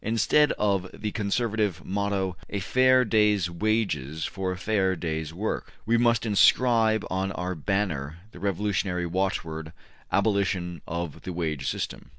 ... Instead of the conservative motto, `A fair day's wages for a fair day's work,' we must inscribe on our banner the revolutionary watchword, `Abolition of the wage system.'